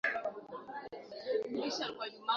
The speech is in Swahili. Vijana wengi hupenda kucheza soka